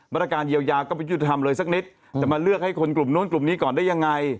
มาตรการเยียวยาก็ไม่ยุติธรรมเลยสักนิดจะมาเลือกให้คนกลุ่มนู้นกลุ่มนี้ก่อนได้ยังไง